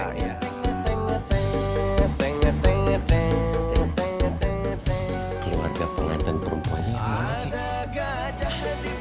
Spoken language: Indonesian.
keluarga pengantin perempuannya yang mana cik